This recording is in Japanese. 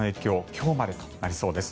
今日までとなりそうです。